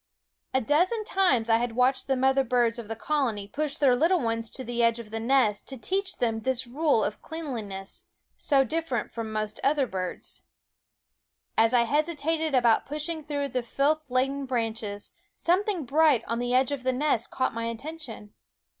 A dozen times I had watched the mother birds of the colony push their little ones to the edge of the nest to teach them this rule of cleanliness, so differ ent from most other birds. As I hesitated about pushing through the filth laden branches, something bright on the edge of the nest caught my attention.